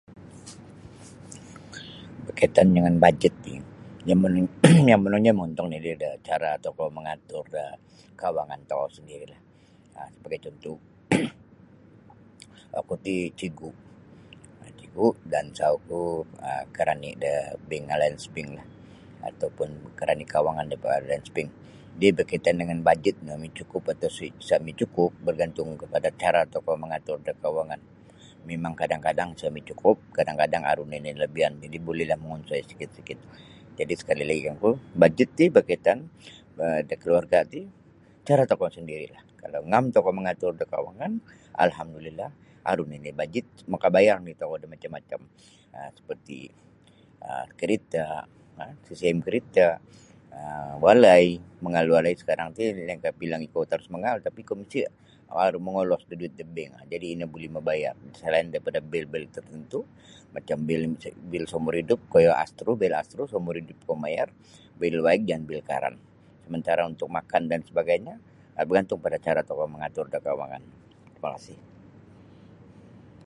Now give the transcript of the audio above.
Berkaitan dengan bajet ti yang monong yang monongnyo mongontong nini' da cara tokou mangatur da kewangan tokou sendiri' um sebagai cuntuh oku ti cigu' cigu' dan sawuku um karani da bank Alliance Banklah atau pun karani kewangan da ba Alliance bank jadi' bakaitan dengan bajet no micukup atau sa' micukup bagantung kapada cara tokou mangatur da kewangan mimang kadang-kadang sa' micukup kadang-kadang aru nini labian jadi' bulilah mongonsoi sikit-sikit. Jadi' sekali' lagi kangku bajet ti bakaitan da kaluarga' ti cara tokou sendiri' lah kalau ngam tokou mangatur da kewangan alhamdulillah aru nini bajet makabayar nini' tokou da macam-macam um seperti karita' CCM karita' walai mangaal da walai sakarang ti lainkah bilang ikou tarus mangaal tapi iko aru mogolos da duit da bank jadi ino buli mabayar salain daripada bil-bil tartentu' macam bil saumur idup koyo bil ASTRO bil saumur idup ko mamayar bil waig jan bil karan samantara' untuk makan dan sebagainyo um bagantung kapada cara tokou mangatur da kewangan terima kasih.